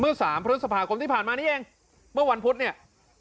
สามพฤษภาคมที่ผ่านมานี้เองเมื่อวันพุธเนี่ย